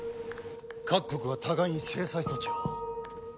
各国が互いに制裁措置を？